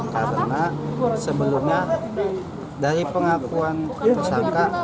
karena sebelumnya dari pengakuan bersangka